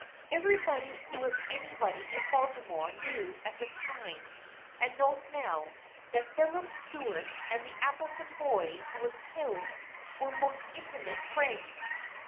Everybody who is anybody in Baltimore knew at the time and knows now, that Philip Stuart and the Appleton boy who was killed were most intimate friends.